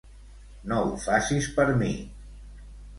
No ho facis per mi!